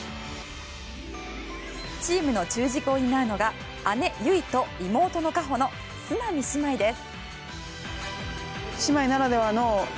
チームの中軸を担うのが姉・唯と、妹の果帆の角南姉妹です。